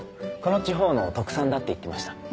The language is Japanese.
この地方の特産だって言ってました。